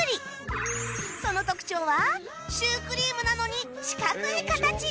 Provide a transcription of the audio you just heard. その特徴はシュークリームなのに四角い形